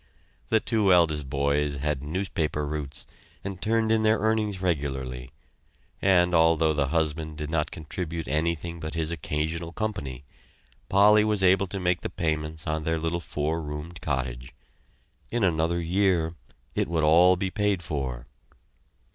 The two eldest boys had newspaper routes and turned in their earnings regularly, and, although the husband did not contribute anything but his occasional company, Polly was able to make the payments on their little four roomed cottage. In another year, it would be all paid for.